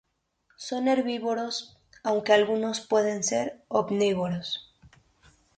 Son herbívoros, aunque algunos pueden ser omnívoros.